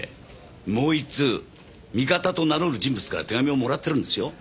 もう１通味方と名乗る人物から手紙をもらってるんですよ。